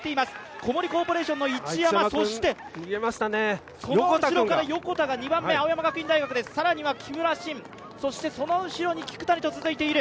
小森コーポレーションの市山、そしてその後ろから横田、２番目、青山学院大学です、更には木村慎、その後ろに聞谷と続いている。